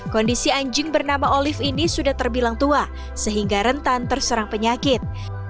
kondisi anjing bernama olive ini sudah terbilang tua sehingga rentan terserang penyakit